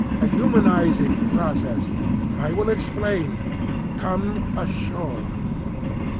A humanising process. I will explain. Come ashore."